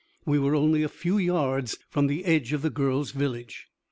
We were only a few yards from the edge of the girl's village.